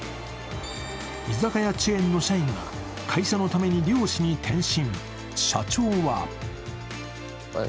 居酒屋チェーンの社員が会社のために漁師に転身。